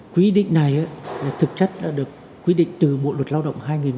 quy định này thực chất là được quy định từ bộ luật lao động hai nghìn một mươi chín